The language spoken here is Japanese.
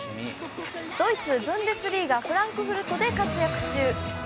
ドイツ・ブンデスリーガフランクフルトで活躍中。